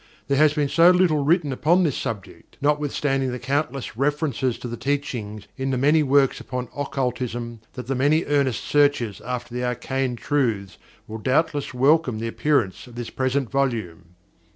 There has been so little written upon this subject, not withstanding the countless references to the Teachings in the many works upon occultism, that the many earnest searchers after the Arcane Truths will doubtless welcome the appearance of this present volume.